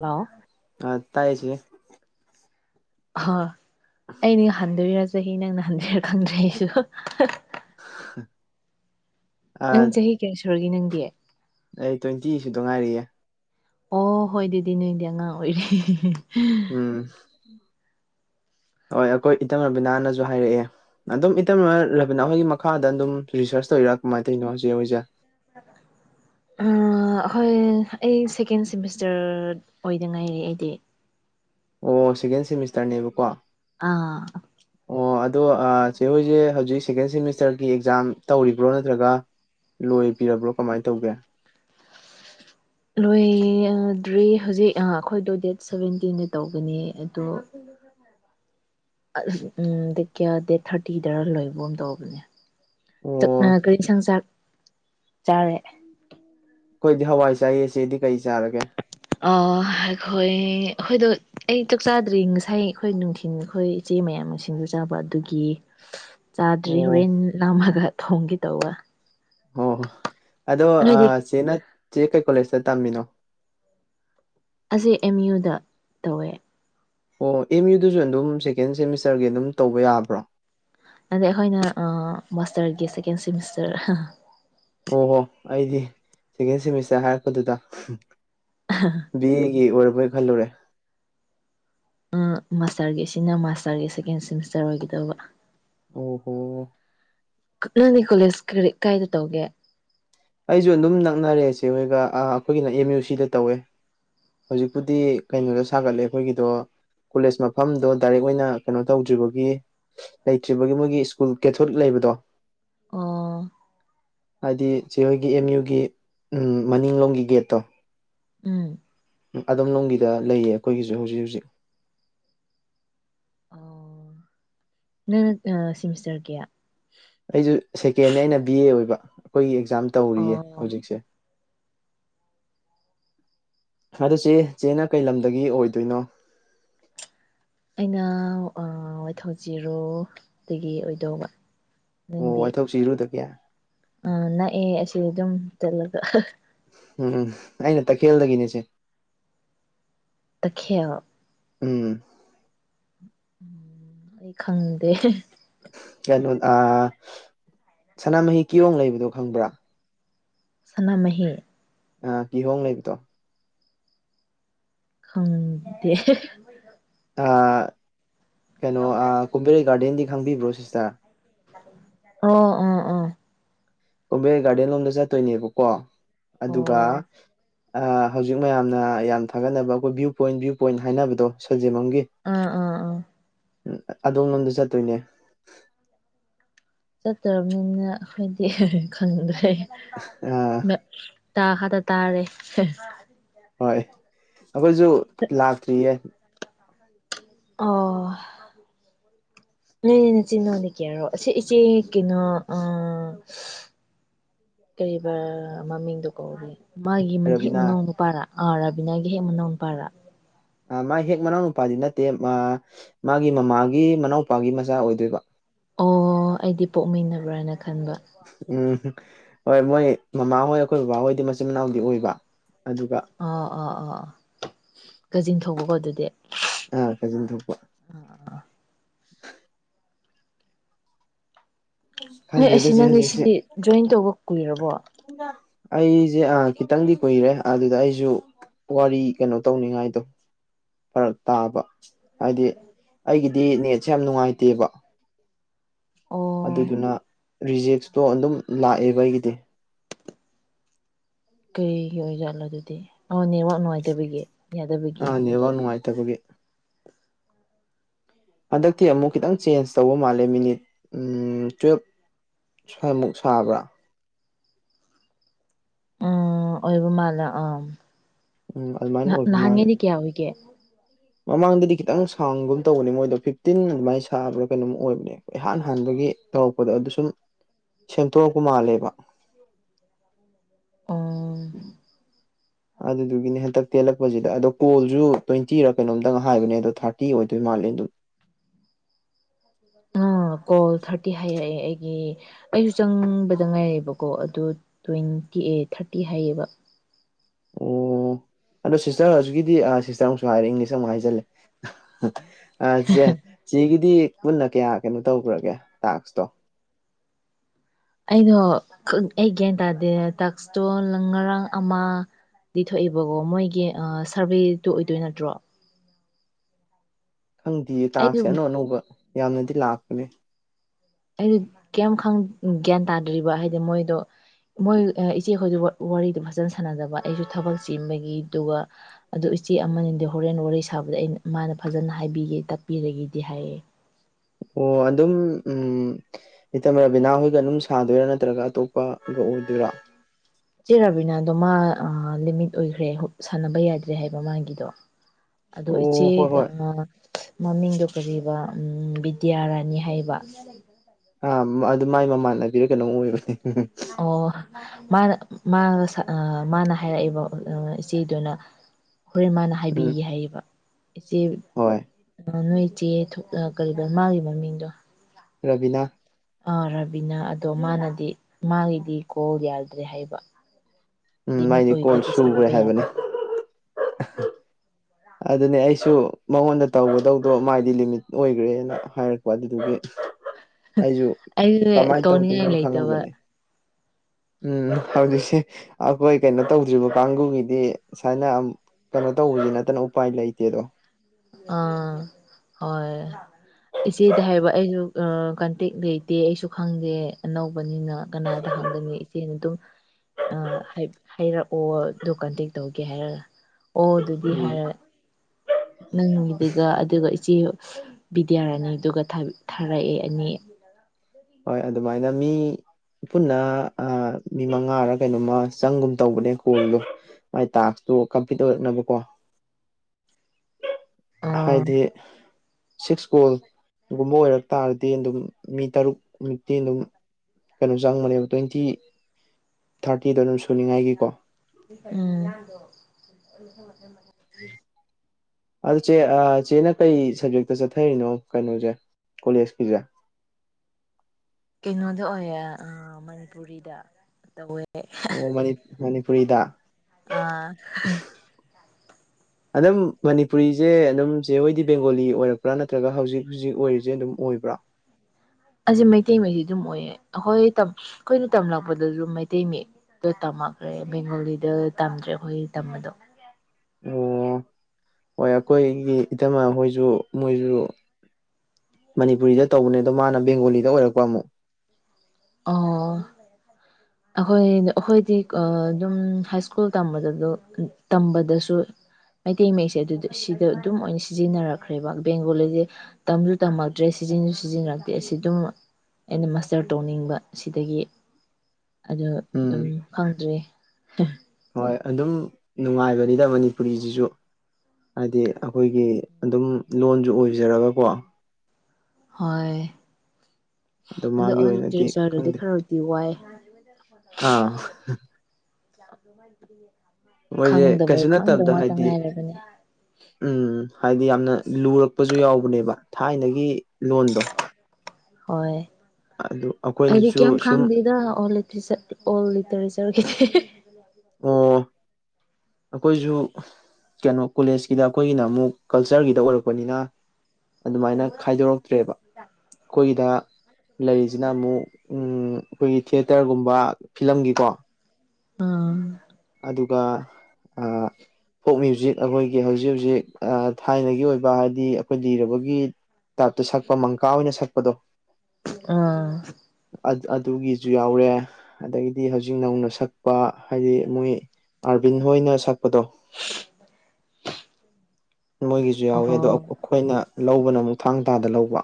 Hello ꯑ ꯇꯥꯏꯌꯦꯁꯤꯦ ꯑ ꯑꯩꯅꯦ ꯍꯟꯗꯣꯏꯔꯥ ꯆꯍꯤ ꯅꯪꯅ ꯍꯟꯗꯣꯏꯔꯥ ꯈꯪꯗ꯭ꯔꯦ ꯑꯩꯁꯨ ꯅꯪ ꯆꯍꯤ ꯀꯌꯥ ꯁꯣꯔꯒꯤ ꯅꯪꯗꯤ ꯑꯩ ꯇ꯭ꯋꯦꯟꯇꯤꯁꯨꯗ ꯉꯥꯏꯔꯤꯑꯦ ꯑꯣ ꯍꯣꯏ ꯑꯗꯨꯗꯤ ꯅꯣꯏꯗꯤ ꯑꯉꯥꯡ ꯑꯣꯏꯔꯤ ꯎꯝ [inaudible] ꯍꯣꯏ ꯑꯩꯈꯣꯏ ꯏꯇꯝ ꯔꯕꯤꯅꯥꯅꯁꯨ ꯍꯥꯏꯔꯛꯑꯦ ꯑꯗꯨꯝ ꯑꯦꯌꯩꯃꯥ ꯔꯥꯅꯤꯅꯥ ꯍꯣꯏꯒꯤ ꯃꯈꯥꯗ ꯑꯗꯨꯝ ꯔꯤꯁꯔꯁ ꯇꯧꯤꯔꯥ ꯀꯃꯥꯏ ꯇꯧꯅꯣ ꯆꯦꯍꯣꯏꯁꯦ ꯑ ꯍꯣꯏ ꯑꯩ ꯁꯦꯀꯦꯟ ꯁꯦꯃꯤꯁꯇꯔ ꯑꯣꯏꯗ ꯉꯥꯏꯔꯦ ꯑꯩꯗꯤ ꯑꯣ ꯁꯦꯀꯦꯟ ꯁꯦꯃꯤꯁꯇꯔꯅꯦꯕꯀꯣ ꯑꯥ ꯑꯣ ꯑꯗꯣ ꯁꯤ ꯍꯣꯏꯁꯦ ꯍꯧꯖꯤꯛ ꯁꯦꯀꯦꯟ ꯁꯦꯃꯤꯁꯇꯔꯒꯤ ꯑꯦꯛꯖꯥꯝ ꯇꯧꯔꯤꯕ꯭ꯔꯣ ꯅꯠꯇ꯭ꯔꯒ ꯂꯣꯏꯕꯤꯔꯕ꯭ꯔꯣ ꯀꯃꯥꯏꯅ ꯇꯧꯒꯦ ꯂꯣꯏꯗ꯭ꯔꯤ ꯍꯧꯖꯤꯛ ꯑꯩꯈꯣꯏꯗꯣ ꯗꯦꯠ ꯁꯚꯦꯟꯇꯤꯟꯗ ꯇꯧꯕꯅꯦ ꯑꯗꯣ [unintelligible] [inaudible] ꯑꯁ ꯎꯝ ꯀꯌꯥ ꯗꯦꯠ ꯊꯥꯔꯇꯤꯗꯔ ꯂꯣꯏꯒꯨꯝ ꯇꯧꯕꯅꯦ ꯑꯣ ꯆꯛꯅ ꯀꯔꯤ ꯑꯦꯟꯁꯪ ꯆꯥꯔꯦ ꯑꯩꯈꯣꯏꯗꯤ ꯍꯋꯥꯏ ꯆꯥ ꯑꯁꯤꯦꯗꯤ ꯀꯔꯤ ꯆꯥꯔꯒꯦ ꯑꯈꯣꯏ ꯑꯩꯈꯣꯏꯗꯣ ꯑꯩ ꯆꯥꯛ ꯆꯥꯗ꯭ꯔꯤ ꯉꯁꯥꯏ ꯑꯩꯈꯣꯏ ꯅꯨꯡꯊꯤꯟ ꯑꯩꯈꯣꯏ ꯏꯆꯦ ꯃꯌꯥꯝ ꯁꯤꯡꯖꯨ ꯆꯥꯕ ꯑꯗꯨꯒꯤ ꯆꯥꯗ꯭ꯔꯤ ꯑꯣ ꯍꯣꯔꯦꯟ ꯂꯥꯝꯃꯒ ꯊꯣꯡꯒꯦ ꯇꯧꯕ ꯑꯣ ꯍꯣꯏ ꯑꯗꯣ ꯅꯣꯏꯗꯤ ꯆꯦꯅ ꯆꯦ ꯀꯩ ꯀꯣꯂꯦꯖꯇ ꯇꯝꯃꯤꯅꯣ ꯑꯁꯤꯦ ꯑꯦꯝ ꯌꯨꯗ ꯇꯧꯋꯦ ꯑꯣ ꯑꯦꯝ ꯌꯨꯗꯁꯨ ꯑꯗꯨꯝ ꯁꯦꯀꯦꯟ ꯁꯦꯃꯤꯁꯇꯔꯒꯤ ꯑꯗꯨꯝ ꯇꯧꯕ ꯌꯥꯕ꯭ꯔꯣ ꯑꯗ ꯑꯩꯈꯣꯏꯅ ꯃꯥꯁꯇꯔꯒꯤ ꯁꯦꯀꯦꯟ ꯁꯦꯃꯤꯁꯇꯔ ꯑꯣ ꯍꯣ ꯑꯩꯗꯤ ꯁꯦꯀꯦꯟ ꯁꯦꯃꯤꯁꯇꯔ ꯍꯥꯏꯔꯛꯄꯗꯨꯗ ꯑ ꯕꯤ ꯑꯦꯒꯤ ꯑꯣꯏꯔꯕꯣꯏ ꯈꯜꯂꯨꯔꯦ ꯃꯥꯁꯇꯔꯒꯤ ꯑꯁꯤꯅ ꯃꯥꯁꯇꯔꯒꯤ ꯁꯦꯀꯦꯟ ꯁꯦꯃꯤꯁꯇꯔ ꯑꯣꯏꯒꯗꯧꯕ ꯑꯣ ꯍꯣ ꯅꯪꯗꯤ ꯀꯣꯂꯦꯖ ꯀꯔꯤ ꯀꯥꯏꯗ ꯇꯧꯒꯦ ꯑꯩꯁꯨ ꯑꯗꯨꯝ ꯅꯛꯅꯔꯦꯁꯦ ꯍꯣꯏꯒ ꯑꯩꯈꯣꯏꯒꯤꯅ ꯑꯦꯝ ꯌꯨ ꯁꯤꯗ ꯇꯧꯋꯦ ꯍꯧꯖꯤꯛꯄꯨꯗꯤ ꯀꯩꯅꯣꯗ ꯁꯥꯒꯠꯂꯦ ꯑꯩꯈꯣꯏꯒꯤꯗꯣ ꯀꯣꯂꯦꯖ ꯃꯐꯝꯗꯣ ꯗꯥꯏꯔꯦꯛ ꯑꯣꯏꯅ ꯀꯩꯅꯣ ꯇꯧꯗ꯭ꯔꯤꯕꯒꯤ ꯂꯩꯇ꯭ꯔꯤꯕꯒꯤ ꯃꯣꯏꯒꯤ ꯁ꯭ꯀꯨꯜ ꯀꯦꯊꯣꯂꯤꯛ ꯂꯩꯕꯗꯣ ꯑꯣ ꯍꯥꯏꯗꯤ ꯆꯦꯍꯣꯏꯒꯤ ꯑꯦꯝ ꯌꯨꯒꯤ ꯃꯅꯤꯡꯂꯣꯝꯒꯤ ꯒꯦꯠꯇꯣ ꯎꯝ ꯑꯗꯣꯝꯂꯣꯝꯒꯤꯗ ꯂꯩꯌꯦ ꯑꯩꯈꯣꯏꯒꯤꯁꯨ ꯍꯧꯖꯤꯛ ꯍꯧꯖꯤꯛ ꯑꯣ ꯅꯪ ꯑꯥ ꯁꯤꯃꯤꯁꯇꯔ ꯀꯌꯥ ꯑꯩꯁꯨ ꯁꯦꯀꯦꯟꯅꯦ ꯑꯩꯅ ꯕꯤ ꯑꯦ ꯑꯣꯏꯕ ꯑꯩꯈꯣꯏꯒꯤ ꯑꯦꯛꯖꯥꯝ ꯇꯧꯔꯤꯌꯦ ꯑꯣ ꯍꯧꯖꯤꯛꯁꯦ ꯑꯗꯨ ꯆꯦ ꯆꯦꯅ ꯀꯩ ꯂꯝꯗꯒꯤ ꯑꯣꯏꯗꯣꯏꯅꯣ ꯑꯩꯅ ꯋꯥꯏꯊꯧꯖꯤꯔꯣ ꯗꯗꯒꯤ ꯑꯣꯏꯗꯧꯕ ꯑꯣ ꯅꯪꯗꯤ ꯋꯥꯏꯊꯧ ꯆꯤꯔꯨꯗꯒꯤ ꯑ ꯅꯛꯑꯦ ꯑꯁꯤ ꯑꯗꯨꯝ ꯆꯠꯂꯒ ꯎꯝ ꯑꯩꯅ ꯇꯈꯦꯜꯗꯒꯤꯅꯦꯁꯦ꯫ ꯇꯈꯤꯌ ꯎꯝ ꯎꯝ ꯈꯪꯗꯦ꯫ ꯀꯩꯅꯣ ꯑꯥ ꯁꯅꯥꯃꯍꯤ ꯀꯤꯌꯣꯡ ꯂꯩꯕꯗꯣ ꯈꯪꯕ꯭ꯔꯥ ꯁꯅꯥꯃꯍꯤ ꯑ ꯀꯍꯣꯡ ꯂꯩꯕꯇꯣ ꯈꯪꯗꯦ꯫ [inaudible] ꯑꯥ ꯀꯩꯅꯣ ꯀꯨꯝꯕꯤꯔꯩ ꯒꯥꯔꯗꯦꯟꯗꯤ ꯈꯪꯕꯤꯕ꯭ꯔꯣ ꯁꯤꯁꯇꯔ ꯑꯣ ꯑꯣ ꯑꯣ ꯀꯣꯕꯦꯔꯩ ꯒꯥꯔꯗꯦꯟ ꯂꯣꯝꯗ ꯆꯠꯇꯣꯏꯅꯦꯕꯀꯣ ꯑꯣ ꯑꯗꯨꯒ ꯍꯧꯖꯤꯛ ꯃꯌꯥꯝꯅ ꯌꯥꯝ ꯊꯥꯒꯠꯅꯕ ꯑꯩꯈꯣꯏ ꯚ꯭ꯌꯨ ꯄꯣꯏꯟ ꯚ꯭ꯌꯨ ꯄꯣꯏꯟ ꯍꯥꯏꯅꯕꯗꯣ ꯁꯟꯖꯦꯃꯝꯒꯤ꯫ ꯑꯥ ꯑꯥ ꯑꯥ ꯎ ꯑꯗꯣꯝ ꯅꯣꯝꯗ ꯆꯠꯇꯣꯏꯅꯦ ꯆꯠꯇ꯭ꯔꯕꯅꯤꯅ ꯑꯩꯈꯣꯏꯗꯤ ꯈꯪꯗ꯭ꯔꯦ꯫ ꯑꯥ ꯇ ꯍꯗ ꯇꯥꯔꯦ꯫ ꯍꯣꯏ ꯑꯩꯈꯣꯏꯁꯨ ꯂꯥꯛꯇ꯭ꯔꯤꯌꯦ꯫ ꯑꯣ ꯅꯅꯦ ꯅꯆꯤꯟꯅꯣ ꯂꯩ ꯀꯦꯌꯥꯔꯣ ꯑꯁꯤ ꯏꯆꯦ ꯀꯩꯅꯣ ꯀꯔꯤꯕꯕꯥꯔ ꯃꯃꯤꯡꯗꯣ ꯀꯧꯔꯤ꯫ ꯃꯥꯒꯤ ꯍꯦꯛ ꯔꯕꯤꯅꯥ ꯃꯅꯥꯎ ꯅꯨꯄꯥꯔꯥ ꯑꯥ ꯔꯥꯕꯤꯅꯥꯒꯤ ꯍꯦꯛ ꯃꯅꯥꯎ ꯅꯨꯄꯥꯔꯥ ꯑ ꯃꯥ ꯍꯦꯛ ꯃꯅꯥꯎ ꯅꯨꯄꯥꯗꯤ ꯅꯠꯇꯦ ꯃꯥꯒꯤ ꯃꯃꯥꯒꯤ ꯃꯅꯥꯎꯄꯥꯒꯤ ꯃꯆꯥ ꯑꯣꯏꯗꯣꯏꯕ ꯑꯣ ꯑꯩꯗꯤ ꯄꯣꯛꯃꯤꯟꯅꯕ꯭ꯔꯥꯅ ꯈꯟꯕ ꯎꯝ ꯍꯣꯏ ꯃꯣꯏ ꯃꯃꯥꯍꯣꯏ ꯑꯩꯈꯣꯏ ꯕꯕꯥꯍꯣꯏꯗꯤ ꯃꯆꯤꯟ ꯃꯅꯥꯎꯗꯤ ꯑꯣꯏꯕ ꯑꯗꯨꯒ ꯑ ꯑ ꯑ ꯑ ꯀꯖꯤꯅ ꯊꯧꯛꯄ ꯑꯗꯨꯗꯤ ꯑ ꯀꯖꯅ ꯊꯣꯛꯄ ꯍ ꯅꯣꯏ ꯑꯁꯤ ꯈꯪꯗꯦꯗꯁꯦ ꯅꯪ ꯉ ꯍꯧꯖꯤꯛꯁꯦ ꯁꯤꯗꯤ ꯖꯣꯏꯟ ꯇꯧꯕ ꯀꯨꯏꯔꯕꯣ ꯑꯩꯁꯦ ꯈꯤꯇꯪꯗꯤ ꯑꯥ ꯀꯨꯏꯔꯦ ꯑꯗꯨꯗ ꯑꯩꯁꯨ ꯋꯥꯔꯤ ꯀꯩꯅꯣ ꯇꯧꯅꯤꯉꯥꯏꯗꯣ ꯐꯔꯛ ꯇꯥꯕ ꯍꯥꯏꯗꯤ ꯑꯩꯒꯤꯗꯤ ꯅꯦꯠꯁꯦ ꯌꯥꯝ ꯅꯨꯡꯉꯥꯏꯇꯦꯕ ꯑꯣ ꯑꯗꯨꯗꯨꯅ ꯔꯤꯖꯦꯛꯁꯇꯣ ꯑꯗꯨꯝ ꯂꯥꯛꯑꯦꯕ ꯑꯩꯒꯤꯗꯤ ꯀꯩꯒꯤ ꯑꯣꯏꯖꯥꯠꯂꯣ ꯑꯗꯨꯗꯤ ꯑꫭ ꯅꯦꯠꯋꯥꯛ ꯅꯨꯡꯉꯥꯏꯇꯕꯒꯤ꯫ ꯌꯥꯗꯕꯒꯤ ꯑ ꯅꯥꯠꯋꯔꯀ ꯅꯨꯡꯉꯥꯏꯇꯕꯒꯤ꯫ ꯍꯟꯗꯛꯇꯤ ꯑꯃꯨꯛ ꯈꯤꯇꯪ ꯆꯦꯟꯖ ꯇꯧꯕ ꯃꯥꯜꯂꯦ ꯃꯤꯅꯤꯠ ꯇꯨꯋꯦꯜꯞ ꯁꯨꯏꯃꯨꯛ ꯁꯥꯕ꯭ꯔꯥ ꯎ ꯑꯣꯏꯕ ꯃꯥꯜꯂ ꯑꯥ ꯎꯝ ꯑꯗꯨꯃꯥꯏꯅ ꯑꯣꯏꯕ ꯃꯥꯜꯂꯦ ꯅꯍꯥꯟꯒꯦꯅꯤ ꯀꯌꯥ ꯍꯨꯏꯒꯦ꯫ ꯃꯃꯥꯡꯗꯗꯤ ꯈꯤꯇꯪ ꯁꯥꯡꯒꯨꯝ ꯇꯧꯕꯅꯦ ꯃꯣꯏꯗꯣ ꯐꯤꯐꯇꯤꯟ ꯑꯗꯨꯃꯥꯏꯅ ꯁꯥꯕ꯭ꯔꯥ ꯀꯩꯅꯣꯝ ꯑꯣꯏꯕꯅꯦ꯫ ꯏꯍꯥꯟ ꯍꯥꯟꯕꯒꯤ ꯇꯧꯔꯛꯄꯗꯣ ꯑꯗꯨ ꯁꯨꯝ ꯁꯦꯝꯗꯣꯔꯛꯄ ꯃꯥꯜꯂꯦꯕ ꯎꯝ ꯑꯗꯨꯗꯨꯒꯤꯅꯦ ꯍꯟꯇꯛ ꯇꯦꯜꯂꯛꯄꯁꯤꯗ ꯑꯗꯣ ꯀꯣꯜꯁꯨ ꯇ꯭ꯋꯦꯟꯇꯤꯔ ꯀꯩꯅꯣꯝꯇꯪ ꯍꯥꯏꯕꯅꯦ ꯑꯗꯣ ꯊꯥꯔꯇꯤ ꯑꯣꯏꯗꯣꯏ ꯃꯥꯜꯂꯦ ꯑꯗꯨꯝ ꯑꯥ ꯀꯣꯜ ꯊꯥꯔꯇꯤ ꯍꯥꯏꯔꯛꯑꯦ ꯑꯩꯒꯤ ꯑꯩꯁꯨ ꯆꯪꯕꯗ ꯉꯥꯏꯔꯛꯑꯦꯕꯀꯣ ꯀꯣ ꯑꯗꯨ ꯇ꯭ꯋꯦꯟꯇꯤ ꯑꯦ ꯊꯥꯔꯇꯤ ꯍꯥꯏꯌꯦꯕ ꯑꯣ ꯑꯗꯣ ꯁꯤꯁꯇꯔ ꯍꯧꯖꯤꯛꯀꯤꯗꯤ ꯁꯤꯁꯇꯔ ꯑꯃꯨꯛꯁꯨ ꯍꯥꯏꯔꯦ ꯏꯪꯂꯤꯁ ꯑꯃꯨꯛ ꯍꯥꯏꯖꯜꯂꯦ꯫ ꯁꯦ ꯆꯦꯒꯤꯗꯤ ꯄꯨꯟꯅ ꯀꯌꯥ ꯀꯩꯅꯣ ꯇꯧꯈ꯭ꯔꯒꯦ ꯇꯥꯛꯁꯇꯣ ꯑꯩꯗꯣ ꯑꯩ ꯒ꯭ꯌꯥꯟ ꯇꯥꯗꯦ ꯇꯥꯛꯁꯇꯣ ꯉꯔꯥꯡ ꯑꯃ ꯂꯤ ꯊꯣꯛꯏꯦꯕꯀꯣ ꯃꯣꯏꯒꯤ ꯁꯔꯚꯦꯇꯨ ꯑꯣꯏꯗꯣꯏ ꯅꯠꯇ꯭ꯔꯣ? ꯈꯪꯗꯦꯌꯦ ꯇꯥꯡꯁꯦ ꯑꯩꯗꯨ ꯑꯅꯧ ꯑꯅꯧꯕ ꯌꯥꯝꯅꯗꯤ ꯂꯥꯛꯄꯅꯦ꯫ ꯑꯩꯗꯤ ꯀꯩꯏꯝ ꯈꯪ ꯒ꯭ꯌꯥꯟ ꯇꯥꯗ꯭ꯔꯤꯕ ꯍꯥꯏꯗꯤ ꯃꯣꯏꯗꯣ ꯃꯣꯏ ꯑ ꯏꯆꯦꯈꯣꯏꯖꯨ ꯋꯥ ꯋꯥꯔꯤꯗꯣ ꯐꯖꯅ ꯁꯥꯟꯅꯗꯕ ꯑꯩꯁꯨ ꯊꯕꯛ ꯆꯤꯟꯕꯒꯤ ꯑꯗꯨꯒ ꯑꯗꯨ ꯏꯆꯦ ꯑꯃꯅꯤꯗꯤ ꯍꯣꯔꯦꯟ ꯋꯥꯔꯤ ꯁꯥꯕꯗ ꯑꯩꯅ ꯃꯥꯅ ꯐꯖꯅ ꯍꯥꯏꯕꯤꯒꯦ ꯇꯥꯛꯄꯤꯔꯒꯗꯤ ꯍꯥꯏꯌꯦ ꯑꯣ ꯑꯗꯨꯝ ꯎꯝ ꯂꯩꯇꯝ ꯔꯕꯤꯅꯥꯍꯣꯏꯒ ꯑꯗꯨꯝ ꯁꯥꯗꯣꯏꯔꯥ ꯅꯠꯇ꯭ꯔꯒ ꯑꯇꯣꯞꯄꯒ ꯑꯣꯏꯗꯣꯏꯔꯥ ꯏꯆꯦ ꯔꯥꯕꯤꯅꯥꯗꯣ ꯃꯥ ꯑꯥ ꯂꯤꯃꯤꯠ ꯑꯣꯏꯈ꯭ꯔꯦ ꯁꯥꯟꯅꯕ ꯌꯥꯗ꯭ꯔꯦ ꯍꯥꯏꯕ ꯃꯥꯒꯤꯗꯣ ꯑꯗꯣ ꯑꯣ ꯏꯆꯦ ꯍꯣꯏ ꯀ ꯍꯣꯏ ꯑꯥ ꯃꯃꯤꯡꯗꫭ ꯀ꯭ꯔꯤꯕ ꯎꯝ ꯕꯤꯗ꯭ꯌꯥꯔꯥꯅꯤ ꯍꯥꯏꯌꯦꯕ ꯑꯝꯕ ꯑꯗꯨ ꯃꯥꯏ ꯃꯃꯥꯟꯅꯕꯤꯔ ꯀꯩꯅꯣꯝ ꯑꯣꯏꯕꯅꯤ ꯍꯨꯡ ꯍꯨꯡ ꯑꯣ ꯃꯥꯅ ꯃꯥꯒ ꯁꯥ ꯑ ꯃꯥꯅ ꯍꯥꯏꯔꯛꯑꯦꯕ ꯎꯝ ꯏꯆꯦꯗꯨꯅ ꯍꯣꯔꯦꯟ ꯃꯥꯅ ꯎꯝ ꯍꯥꯏꯕꯤꯒꯦ ꯍꯥꯏꯌꯦꯕ ꯏꯆꯦ ꯍꯣꯏ ꯑ ꯅꯣꯏ ꯏꯆꯦ ꯊꯣꯛ ꯑ ꯀꯔꯤꯕ ꯃꯥꯒꯤ ꯃꯃꯤꯡꯗꯣ ꯔꯕꯤꯅꯥ ꯑꯥ ꯔꯥꯕꯤꯅꯥ ꯑꯗꯣ ꯃꯥꯅꯗꯤ ꯃꯥꯒꯤꯗꯤ ꯀꯣꯜ ꯌꯥꯗ꯭ꯔꯦ ꯍꯥꯏꯕ ꯎꯝ ꯂꯤꯃꯤꯠ ꯃꯥꯏꯗꯤ ꯀꯣꯟ ꯑꯣꯏꯕꯒꯤ ꯁꯨꯒ꯭ꯔꯦ ꯁꯥꯟꯅꯕ ꯍꯥꯏꯕꯅꯤ ꯌꯥꯗ꯭ꯔꯦ ꯍꯥꯏꯌꯦ ꯑꯗꯨꯅꯦ ꯑꯩꯁꯨ ꯃꯉꯣꯟꯗ ꯇꯧꯒꯗꯧꯗꯣ ꯃꯥꯏꯗꯤ ꯂꯤꯃꯤꯠ ꯑꯣꯏꯒ꯭ꯔꯦꯅ ꯍꯥꯏꯔꯛꯄ ꯑꯗꯨꯗꯨꯒꯤ ꯍ ꯑꯩꯁꯨ ꯑꯩꯖꯨꯅꯦ ꯀꯃꯥꯏꯅ ꯇꯧꯗꯣꯏꯅꯣ ꯇꯧꯅꯤꯡꯉꯥꯏ ꯂꯩꯇꯕ ꯈꯪꯉꯝꯕꯅꯦ ꯎꯝ ꯍꯧꯖꯤꯛꯁꯦ ꯑꯈꯣꯏ ꯀꯩꯅꯣ ꯇꯧꯗ꯭ꯔꯤꯕ ꯀꯥꯡꯒꯨꯒꯤꯗꯤ ꯁꯥꯏꯅ ꯑꯝ ꯀꯩꯅꯣ ꯇꯧꯕꯖꯤ ꯅꯠꯇꯅ ꯎꯄꯥꯏ ꯂꯩꯇꯦꯗꯣ ꯑꯥ ꯍꯣꯏ ꯏꯆꯦꯗ ꯍꯥꯏꯕ ꯑꯩꯁꯨ ꯑ ꯀꯟꯇꯦꯛ ꯂꯩꯇꯦ ꯑꯩꯁꯨ ꯈꯪꯗꯦ ꯑꯅꯧꯕꯅꯤꯅ ꯀꯅꯥꯗ ꯍꯪꯒꯅꯤ ꯏꯆꯦꯅ ꯑꯗꯨꯝ ꯑ ꯍꯥꯏ ꯍꯥꯏꯔꯛꯑꯣ ꯑꯗꯨ ꯀꯟꯇꯦꯛ ꯇꯧꯒꯦ ꯍꯥꯏꯔꯒ ꯑꯣ ꯑꯗꯨꯗꯤ ꯎꯝ ꯍꯥꯏꯔ ꯅꯪꯒꯤꯗꯨꯒ ꯑꯗꯨꯒ ꯏꯆꯦ ꯕꯤꯗ꯭ꯌꯥꯔꯥꯅꯤꯗꯨꯒ ꯊꯥꯕꯤ ꯊꯥꯔꯛꯑꯦ ꯑꯅꯤ ꯍꯣꯏ ꯑꯗꯨꯃꯥꯏꯅ ꯃꯤ ꯄꯨꯟꯅ ꯑ ꯃꯤ ꯃꯉꯥꯔ ꯀꯩꯅꯣꯃ ꯆꯪꯒꯨꯝ ꯇꯧꯕꯅꯦ ꯀꯣꯜꯗꯣ ꯃꯥꯏ ꯇꯥꯛꯁꯇꯨ ꯀꯝꯄ꯭ꯂꯤꯠ ꯑꯣꯏꯔꯛꯅꯕ ꯀꯣ [inaudible] ꯑꯥ ꯍꯥꯏꯗꯤ ꯁꯤꯛꯁ ꯀꯣꯜ ꯒꯨꯝꯕ ꯑꯣꯏꯔꯛ ꯇꯥꯔꯗꯤ ꯑꯗꯨꯝ ꯃꯤ ꯇꯔꯨꯛ ꯃꯨꯛꯇꯤ ꯑꯗꯨꯝ ꯀꯩꯅꯣ ꯆꯪꯕꯅꯦꯕ ꯇ꯭ꯋꯦꯟꯇꯤ ꯊꯥꯔꯇꯤꯗꯣ ꯑꯗꯨꯝ ꯁꯨꯅꯤꯡꯉꯥꯏꯒꯤꯀꯣ ꯎꯝ ꯑꯗꯨ ꯆꯦ ꯑꯥ ꯆꯦꯅ ꯀꯩ ꯁꯕꯖꯦꯛꯇ ꯆꯠꯊꯔꯤꯅꯣ ꯀꯩꯅꯣꯖꯦ ꯀꯣꯂꯦꯖꯀꯤꯖꯦ ꯀꯩꯅꯣꯗ ꯑꯣꯏꯌꯦ ꯑꯥ ꯃꯅꯤꯄꯨꯔꯤꯗ ꯇꯧꯋꯦ ꯑꯣ ꯃꯅꯤ ꯃꯅꯤꯄꯨꯔꯤꯗ ꯑꯥ ꯍ ꯍ ꯑꯗꯨꯝ ꯃꯅꯤꯄꯨꯔꯤꯖꯦ ꯑꯗꯨꯝ ꯆꯦ ꯍꯣꯏꯗꯤ ꯕꯦꯡꯒꯣꯂꯤ ꯑꯣꯏꯔꯛꯄ꯭ꯔꯥ ꯅꯠꯇ꯭ꯔꯒ ꯍꯧꯖꯤꯛ ꯍꯧꯖꯤꯛ ꯑꯣꯏꯔꯤꯖꯦ ꯑꯗꯨꯝ ꯑꯣꯏꯕ꯭ꯔꯥ ꯑꯁꯤ ꯃꯩꯇꯩꯃꯍꯤ ꯑꯗꯨꯝ ꯑꯣꯏꯌꯦ ꯑꯈꯣꯏ ꯇꯝ ꯑꯈꯣꯏꯅ ꯇꯝꯂꯛꯄꯗꯁꯨ ꯑꯗꯨꯝ ꯃꯩꯇꯩ ꯃꯌꯦꯛ ꯗꯨ ꯇꯝꯃꯛꯈ꯭ꯔꯦ ꯕꯦꯡꯒꯣꯂꯤꯗꯣ ꯇꯝꯗ꯭ꯔꯦ ꯑꯩꯈꯣꯏ ꯇꯝꯕꯗꯣ ꯑꯣ ꯍꯣꯏ ꯑꯈꯣꯏꯒꯤ ꯏꯇꯩꯃ ꯍꯣꯏꯖꯨ ꯃꯣꯏꯖꯨ ꯃꯅꯤꯄꯨꯔꯤꯗ ꯇꯧꯕꯅꯦ ꯑꯗꯣ ꯃꯥꯅ ꯕꯦꯡꯒꯣꯂꯤꯗ ꯑꯣꯏꯔꯛꯄ ꯑꯃꯨꯛ ꯑꯣ ꯑꯈꯣꯏꯗ ꯑꯈꯣꯏꯗꯤ ꯑ ꯑꯗꯨꯝ ꯍꯥꯏ ꯁ꯭ꯀꯨꯜ ꯇꯝꯕꯗꯖꯨ ꯎꯝ ꯇꯝꯕꯗꯁꯨ ꯃꯩꯇꯩ ꯃꯌꯦꯛꯁꯦ ꯑꯗꯨꯗ ꯁꯤꯗ ꯑꯗꯨꯝ ꯑꯣꯏꯅ ꯁꯤꯖꯤꯟꯅꯔꯛꯈ꯭ꯔꯦꯕ ꯕꯦꯡꯒꯣꯂꯤꯗꯤ ꯇꯝꯖꯨ ꯇꯝꯃꯛꯇ꯭ꯔꯦ ꯁꯤꯖꯤꯟꯖꯨ ꯁꯤꯖꯤꯟꯅꯔꯛꯇꯦ ꯑꯁꯤ ꯑꯗꯨꯝ ꯑꯩꯅ ꯃꯁꯇꯔ ꯇꯧꯅꯤꯡ ꯕ ꯁꯤꯗꯒꯤ ꯑꯗꯨ ꯎꯝ ꯑꯗꯨꯝ ꯈꯪꯗ꯭ꯔꯦ ꯍ ꯍꯦ ꯍꯣꯏ ꯑꯗꯨꯝ ꯅꯨꯡꯉꯥꯏꯕꯅꯤꯗ ꯃꯅꯤꯄꯨꯔꯤꯁꯤꯁꯨ ꯍꯥꯏꯗꯤ ꯑꯈꯣꯏꯒꯤ ꯑꯗꯨꯝ ꯂꯣꯟꯖꯨ ꯑꯣꯏꯖꯔꯒꯀꯣ ꯍꯣꯏ ꯑꯗꯣ ꯃꯥꯒꯤ ꯑꯍꯟ ꯑꯣꯏꯅꯗꯤ ꯅꯨꯇꯤꯒꯤ ꯆꯔꯗꯤ ꯈꯪꯗꯦ ꯈꯔ ꯋꯥꯏ ꯑꯥ ꯃꯣꯏꯁꯦ ꯈꯪꯗꯕ ꯀꯩꯁꯨ ꯈꯪꯗꯕ ꯅꯠꯇꯕꯗ ꯉꯥꯛꯇ ꯍꯥꯏꯗꯤ ꯉꯥꯏꯔꯕꯅꯦ ꯎꯝ ꯍꯥꯏꯗꯤ ꯌꯥꯝꯅ ꯂꯨꯔꯛꯄꯖꯨ ꯌꯥꯎꯕꯅꯦꯕ ꯊꯥꯏꯅꯒꯤ ꯂꯣꯟꯗꯣ ꯍꯣꯏ ꯑꯗꯨ ꯑꯩꯗꯤ ꯑꯩꯈꯣꯏꯅꯁꯨ ꯀꯩꯝ ꯁꯨꯝ ꯈꯪꯗꯦꯗ ꯑꯣꯜ ꯂꯤꯆꯥ ꯑꯣꯜ ꯂꯤꯇꯔꯦꯆꯔꯒꯤ ꯎꯝ ꯑꯈꯣꯏꯖꯨ ꯀꯩꯅꯣ ꯀꯣꯂꯦꯖꯀꯤꯗ ꯑꯩꯈꯣꯏꯒꯤꯅ ꯑꯃꯨꯛ ꯀꯜꯆꯔꯒꯤꯗ ꯑꯣꯏꯔꯛꯄꯅꯤꯅ ꯑꯗꯨꯃꯥꯏꯅ ꯈꯥꯏꯗꯣꯔꯛꯇ꯭ꯔꯦꯕ ꯈꯣꯏꯗ ꯂꯩꯔꯤꯁꯤꯅ ꯑꯃꯨꯛ ꯎꯝ ꯑꯩꯈꯣꯏꯒꯤ ꯊꯤꯌꯦꯇꯔꯒꯨꯝꯕ ꯐꯤꯂꯝꯒꯤꯀꯣ ꯑꯥ ꯑꯗꯨꯒ ꯑ ꯐꯣꯛ ꯃ꯭ꯌꯨꯖꯤꯛ ꯑꯩꯈꯣꯏꯒꯤ ꯍꯧꯖꯤꯛ ꯍꯧꯖꯤꯛ ꯑ ꯊꯥꯏꯅꯒꯤ ꯑꯣꯏꯕ ꯍꯥꯏꯗꯤ ꯑꯩꯈꯣꯏ ꯂꯤꯔꯕꯒꯤ ꯇꯥꯏꯞꯇ ꯁꯛꯄ ꯃꯪꯀꯥ ꯑꯣꯏꯅ ꯁꯛꯄꯗꯣ ꯑꯥ ꯑꯠ ꯑꯗꯨꯒꯤꯖꯨ ꯌꯥꯎꯔꯦ ꯑꯗꯩꯗꯤ ꯍꯧꯖꯤꯛ ꯅꯧꯅ ꯁꯛꯄ ꯍꯥꯏꯗꯤ ꯃꯣꯏ ꯑꯥꯔꯕꯤꯟ ꯍꯣꯏꯅ ꯁꯛꯄꯗꯣ ꯃꯣꯏꯒꯤꯖꯨ ꯌꯥꯎꯋꯤ ꯑꯣ ꯑꯗꯣ ꯑꯩꯈꯣꯏꯅ ꯂꯧꯕꯅ ꯑꯃꯨꯛ ꯊꯥꯡ ꯇꯥꯗ ꯂꯧꯕ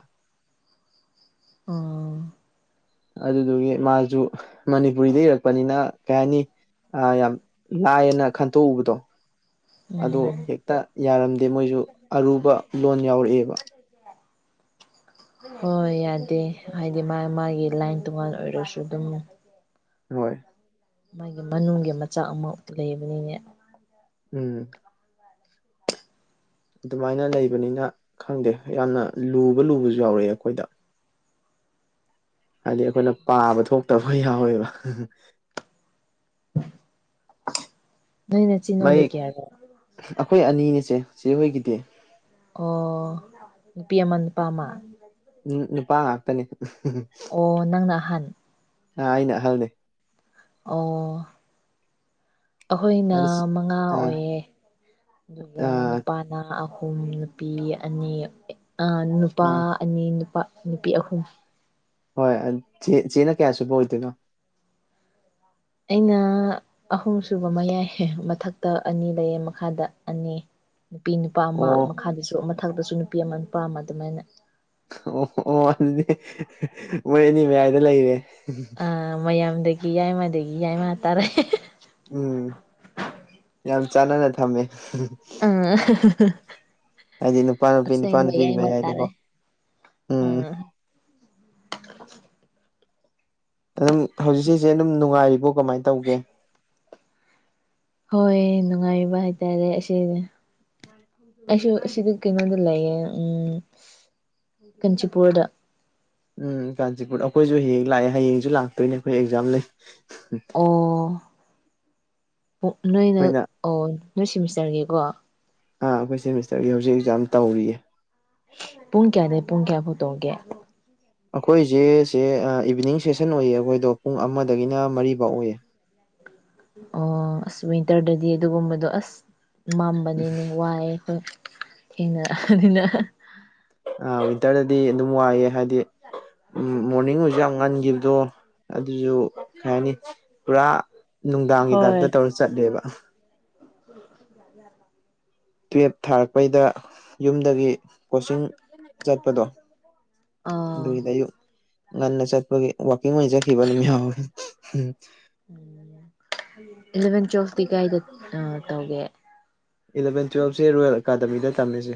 ꯑꯥ ꯑꯗꯨꯗꯨꯒꯤ ꯃꯥꯖꯨ ꯃꯅꯤꯄꯨꯔꯤꯗ ꯏꯔꯛꯄꯅꯤꯅ ꯀꯩ ꯍꯥꯏꯅꯤ ꯑ ꯌꯥꯝ ꯂꯥꯏꯌꯦꯅ ꯈꯟꯇꯣꯛꯎꯕꯗꯣ ꯑꯗꯣ ꯎꯝ ꯍꯦꯛꯇ ꯌꯥꯔꯝꯗꯦ ꯃꯣꯏꯁꯨ ꯑꯔꯨꯕ ꯂꯣꯟ ꯌꯥꯎꯔꯛꯑꯦꯕ ꯍꯣꯏ ꯌꯥꯗꯦ ꯍꯥꯏꯗꯤ ꯃꯥꯏ ꯃꯥꯒꯤ ꯂꯥꯏꯟ ꯇꯉꯥꯟ ꯑꯣꯏꯔꯁꯨ ꯑꯗꯨꯝ ꯍꯣꯏ ꯃꯥꯒꯤ ꯃꯅꯨꯡꯒꯤ ꯃꯆꯥꯛ ꯑꯃ ꯂꯩꯕꯅꯤꯅꯦ ꯎꯝ ꯑꯗꯨꯃꯥꯏꯅ ꯂꯩꯕꯅꯤꯅ ꯈꯪꯗꯦ ꯌꯥꯝꯅ ꯂꯨꯕ ꯂꯨꯕꯖꯨ ꯌꯥꯎꯔꯛꯑꯦ ꯑꯩꯈꯣꯏꯗ ꯍꯥꯏꯗꯤ ꯑꯩꯈꯣꯏꯅ ꯄꯥꯕ ꯊꯣꯛꯇꯕ ꯌꯥꯎꯋꯦꯕ ꯅꯣꯏ ꯅꯆꯤꯟ ꯅꯅꯥꯎꯗꯤ ꯃꯩ ꯀꯌꯥꯅꫭ ꯑꯩꯈꯣꯏ ꯑꯅꯤꯅꯤꯆꯦ ꯆꯦꯍꯣꯏꯒꯤꯗꯤ ꯑꯣ ꯅꯨꯄꯤ ꯑꯃ ꯅꯨꯄꯥ ꯑꯃ ꯎꯝ ꯅꯨꯄꯥ ꯉꯥꯛꯇꯅꯤ ꯑꯣ ꯅꯪꯅ ꯑꯍꯟ ꯑ ꯑꯩꯅ ꯑꯍꯜꯅꯤ ꯑꯣ ꯑꯩꯈꯣꯏꯅ ꯑꯗꯨ ꯃꯉꯥ ꯑꯥ ꯑꯣꯏꯌꯦ ꯑꯗꯨꯒ ꯑꯥ ꯅꯨꯄꯥ ꯅ ꯑꯍꯨꯝ ꯅꯨꯄꯤ ꯑꯅꯤ ꯑ ꯅꯨꯄꯥ ꯑꯥ ꯑꯅꯤ ꯅꯨꯄꯥ ꯅꯨꯄꯤ ꯑꯍꯨꯝ ꯍꯣꯏ ꯑ ꯆꯦ ꯆꯦꯅ ꯀꯌꯥ ꯁꯨꯕ ꯑꯣꯏꯗꯣꯏꯅꯣ ꯑꯩꯅ ꯑꯍꯨꯝꯁꯨꯨꯕ ꯃꯌꯥꯏ ꯃꯊꯛꯇ ꯑꯅꯤ ꯂꯩꯌꯦ ꯃꯈꯥꯗ ꯑꯅꯤ ꯅꯨꯄꯤ ꯅꯨꯄꯥ ꯑꯃ ꯑꯣ ꯃꯈꯥꯗꯁꯨ ꯃꯊꯛꯇꯁꯨ ꯅꯨꯄꯤ ꯑꯃ ꯅꯨꯄꯥ ꯑꯃ ꯑꯗꯨꯃꯥꯏꯅ ꯑꯣ ꯑꯣ ꯑꯗꯨꯗꯤ ꯃꯣꯏ ꯑꯅꯤ ꯃꯌꯥꯏꯗ ꯂꯩꯔꯦ ꯑ ꯃꯌꯥꯝꯗꯒꯤ ꯌꯥꯏꯃꯗꯒꯤ ꯌꯥꯏꯃ ꯇꯥꯔꯦ ꯎꯝ ꯌꯥꯝ ꯆꯥꯟꯅꯅ ꯊꯝꯃꯦ ꯎꯪ ꯍꯥꯏꯗꯤ ꯅꯨꯄꯥ ꯅꯨꯄꯤ ꯅꯨꯄꯥ ꯑꯁꯦꯡꯕ ꯅꯨꯄꯤꯒꯤ ꯌꯥꯏꯃꯥ ꯇꯥꯔꯦ ꯃꯌꯥꯏꯗꯀꯣ ꯎꯝ ꯑꯗꯨꯝ ꯍꯧꯖꯤꯛꯁꯦ ꯆꯦ ꯑꯗꯨꯝ ꯅꯨꯡꯉꯥꯏꯔꯤꯕꯣ ꯀꯃꯥꯏ ꯇꯧꯒꯦ ꯍꯣꯏ ꯅꯨꯡꯉꯥꯏꯕ ꯍꯥꯏꯇꯥꯔꯦ ꯑꯁꯤꯅꯦ ꯑꯩꯁꯨ ꯑꯁꯤꯗ ꯀꯩꯅꯣꯗ ꯂꯩꯌꯦ ꯎꯝ ꯀꯥꯟꯆꯤꯄꯨꯔꯗ ꯎꯝ ꯀꯥꯟꯆꯤꯄꯨꯔ ꯑꯩꯈꯣꯏꯁꯨ ꯍꯌꯦꯡ ꯂꯥꯛꯑꯦ ꯍꯌꯦꯡꯁꯨ ꯂꯥꯛꯇꯣꯏꯅꯦ ꯑꯩꯈꯣꯏ ꯑꯦꯛꯖꯥꯝ ꯂꯩ ꯑꯣ ꯅꯣꯏꯅ ꯑꯩꯈꯣꯏꯅ ꯑꯣ ꯅꯣꯏ ꯁꯦꯃꯤꯁꯇꯔꯒꯤꯀꯣ ꯑꯥ ꯑꯩꯈꯣꯏ ꯁꯦꯃꯤꯁꯇꯔꯒꯤ ꯍꯧꯖꯤꯛ ꯑꯦꯛꯖꯥꯝ ꯇꯧꯔꯤꯌꯦ ꯄꯨꯡ ꯀꯌꯥꯗꯩꯩ ꯄꯨꯡ ꯀꯌꯥ ꯐꯥꯎ ꯇꯧꯒꯦ ꯑꯩꯈꯣꯏꯁꯦ ꯁꯦ ꯏꯚꯤꯅꯤꯡ ꯁꯦꯁꯟ ꯑꯣꯏꯌꯦ ꯑꯩꯈꯣꯏꯗꯣ ꯄꯨꯡ ꯑꯃꯗꯒꯤꯅ ꯃꯔꯤꯐꯧ ꯑꯣꯏꯌꯦ ꯑꯣ ꯑꯁ ꯋꯤꯟꯇꯔꯗꯗꯤ ꯑꯗꯨꯒꯨꯝꯕꯗꯣ ꯑꯁ ꯃꯝꯕꯅꯤꯅꯦ ꯋꯥꯏꯑꯦ ꯑꯩꯈꯣꯏ ꯊꯦꯡꯅꯔꯛꯑꯕꯅꯤꯅ ꯑ ꯋꯤꯟꯇꯔꯗꯗꯤ ꯑꯗꯨꯝ ꯋꯥꯏꯑꯦ ꯍꯥꯏꯗꯤ ꯃꯣꯔꯅꯤꯡ ꯍꯧꯖꯤꯛ ꯌꯥꯝ ꯉꯟꯈꯤꯕꯗꯣ ꯑꯗꯨꯁꯨ ꯀꯩ ꯍꯥꯏꯅꯤ ꯄꯨꯔꯥ ꯅꯨꯡꯗꯥꯡꯒꯤ ꯇꯥꯏꯞꯇ ꯇꯧꯔ ꯆꯠꯂꯦꯕ ꯍ ꯌꯥ ꯌꯥꯔ ꯇꯨꯌꯦꯐ ꯊꯥꯔꯛꯄꯩꯗ ꯌꯨꯝꯗꯒꯤ ꯀꯣꯆꯤꯡ ꯆꯠꯄꯗꯣ ꯑꯥ ꯑꯗꯨꯒꯤꯗ ꯑꯌꯨꯛ ꯉꯟꯅ ꯆꯠꯄꯒꯤ ꯋꯥꯋꯥꯛꯀꯤꯡ ꯑꯣꯏꯅ ꯆꯠꯈꯤꯕ ꯅꯨ ꯌꯥꯦ ꯎꯝ ꯏꯂꯚꯦꯟ ꯇꯨꯋꯦꯜꯐꯇꯤ ꯀꯥꯏꯗ ꯑ ꯇꯧꯒꯦ ꯏꯂꯚꯦꯟ ꯇꯨꯋꯜꯞꯁꯦ ꯔꯣꯌꯦꯜ ꯑꯦꯀꯥꯗꯃꯤꯗ ꯇꯝꯃꯤꯁꯦ